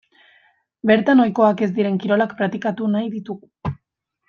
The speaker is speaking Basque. Bertan ohikoak ez diren kirolak praktikatu nahi ditugu.